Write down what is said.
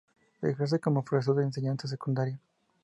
Ejerce como profesor de enseñanza secundaria.